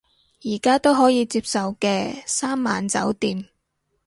而家都可以接受嘅，三晚酒店